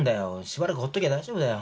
しばらくほっときゃ大丈夫だよ。